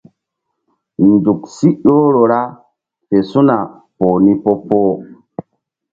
Nzuk si ƴohro ra fe su̧na poh ni po-poh.